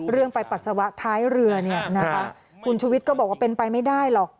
เรื่องไปปัสสาวะท้ายเรือคุณชุวิตก็บอกว่าเป็นไปไม่ได้หรอก